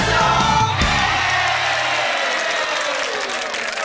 หาสนุก